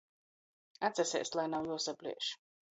Atsasēst, lai nav juosaplieš!